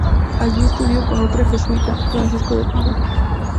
Allí estudió con otro jesuita, Francisco de Pina.